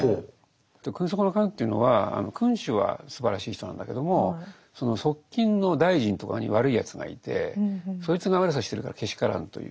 君側の奸というのは君主はすばらしい人なんだけどもその側近の大臣とかに悪いやつがいてそいつが悪さしてるからけしからんという